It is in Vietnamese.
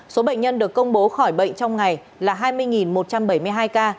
số bệnh nhân được công bố khỏi bệnh trong ngày là hai mươi một trăm bảy mươi hai ca